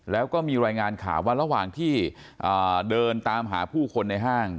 แล้วก็มีรายงานข่าวว่าระหว่างที่เดินตามหาผู้คนในห้าง